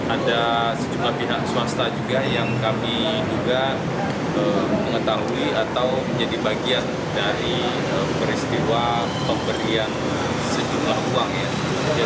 ada sejumlah pihak swasta juga yang kami duga mengetahui atau menjadi bagian dari peristiwa pemberian sejumlah uang ya